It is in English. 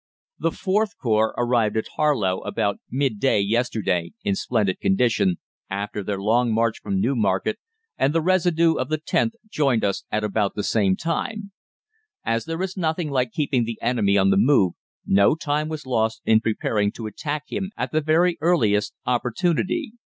The IVth Corps arrived at Harlow about midday yesterday in splendid condition, after their long march from Newmarket, and the residue of the Xth joined us at about the same time. As there is nothing like keeping the enemy on the move, no time was lost in preparing to attack him at the very earliest opportunity.